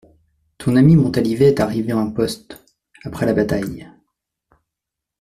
Ton ami Montalivet est arrivé en poste, après la bataille.